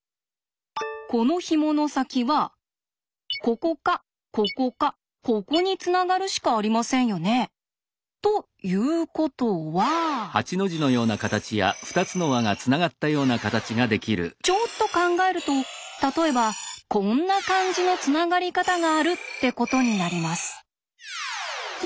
このひもの先はここかここかここにつながるしかありませんよね？ということはちょっと考えると例えばこんな感じのつながり方があるってことになります。